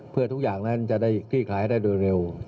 เพื่อทุกอย่างนั้นจะได้คลี่คลายได้โดยเร็ว